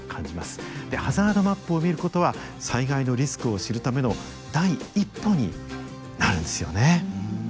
でハザードマップを見ることは災害のリスクを知るための第一歩になるんですよね。